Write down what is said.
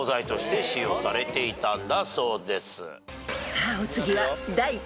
［さあお次は］